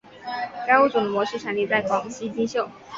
该物种的模式产地在广西金秀。